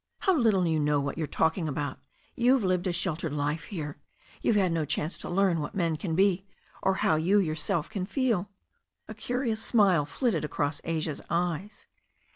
"How little you know what you are talking about. You've lived a sheltered life here. You've had no chance to learn what men can be, or how you yourself can feel." A curious smile flitted across Asia's eyes.